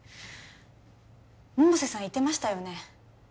百瀬さん言ってましたよね？